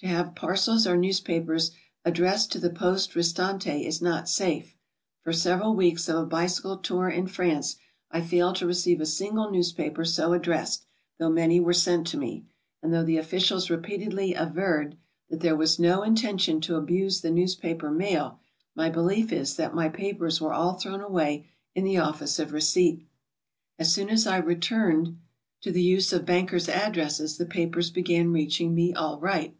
To have parcels or newspapers addressed to the Poste Restante is not safe. For several weeks of a bicycle tour in France I failed to receive a single newspaper so addressed, though many were sent to me; and though the officials repeatedly averred that there was no in tention to abuse the newspaper mail, my belief is that my papers were all thrown away in the office of receipt. As soon as I returned to the use of bankers' addresses, the pa pers began reaching me all right.